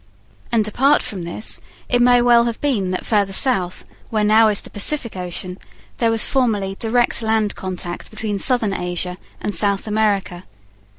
And, apart from this, it may well have been that farther south, where now is the Pacific ocean, there was formerly direct land connection between Southern Asia and South America.